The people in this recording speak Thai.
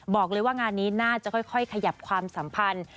บอกเลยว่างานนี้น่าจะค่อยขยับความสัมพันธ์